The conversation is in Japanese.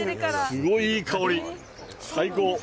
すごいいい香り、最高。